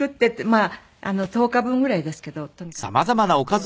まあ１０日分ぐらいですけどとにかく作って。